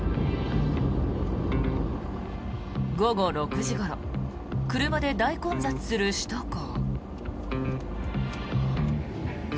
午後６時ごろ車で大混雑する首都高。